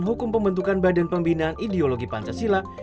hukum pembentukan badan pembinaan ideologi pancasila